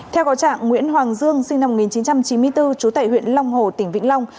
theo có trạng nguyễn hoàng dương sinh năm một nghìn chín trăm chín mươi bốn trú tại huyện long hồ tỉnh vĩnh long